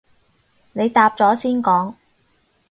你答咗先講